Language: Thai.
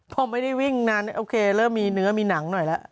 พอไม่ได้วิ่งนานโอเคเริ่มมีเนื้อมีหนังหน่อยแล้ว